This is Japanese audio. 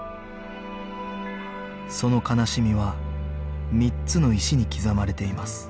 その悲しみは３つの石に刻まれています